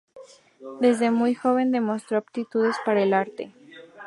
Desde muy joven demostró aptitudes para el arte.